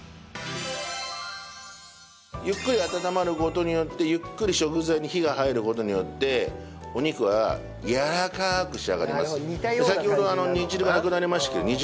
ゆっくり温まる事によってゆっくり食材に火が入る事によってお肉がやわらかく仕上がります。